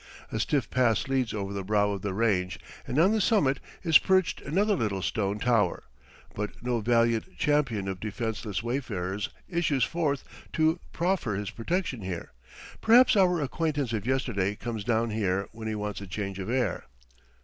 A stiff pass leads over the brow of the range, and on the summit is perched another little stone tower; but no valiant champion of defenceless wayfarers issues forth to proffer his protection here perhaps our acquaintance of yesterday comes down here when he wants a change of air.